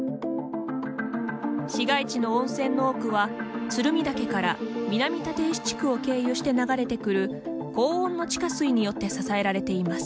市街地の温泉の多くは鶴見岳から南立石地区を経由して流れてくる高温の地下水によって支えられています。